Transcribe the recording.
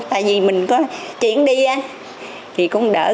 tại vì mình có chuyển đi thì cũng đỡ